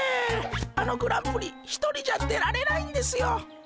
あのグランプリ一人じゃ出られないんですよ。